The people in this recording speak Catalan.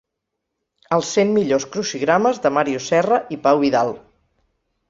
Els cent millors crucigrames de Màrius Serra i Pau Vidal.